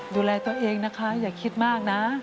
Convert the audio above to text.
ดูแลตัวเองนะคะอย่าคิดมากนะ